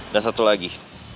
dan satu lagi